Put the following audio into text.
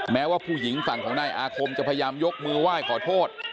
แม้ว่าผู้หญิงฝั่งของนายอาคมจะพยายามยกมือไหว้ขอโทษ